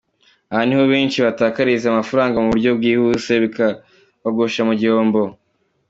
Aha ni ho benshi batakariza amafaranga mu buryo bwihuse bikabagusha mu gihombo.